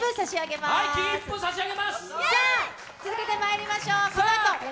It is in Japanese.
続けてまいりましょう。